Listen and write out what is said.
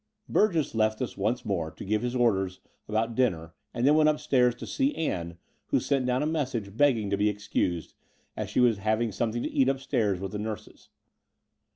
Burgess left us once more to give his orders about dinner, and then went upstairs to see Ann, who sent down a message begging to be excused, as she was having something to eat upstairs with the nurses.